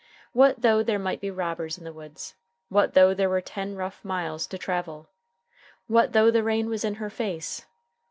What though there might be robbers in the woods? What though there were ten rough miles to travel? What though the rain was in her face?